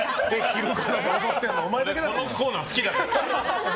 このコーナー好きだから。